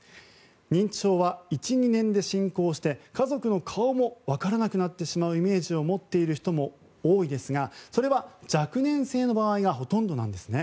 認知症は１２年で進行して家族の顔も分からなくなってしまうイメージを持っている人も多いですがそれは若年性の場合がほとんどなんですね。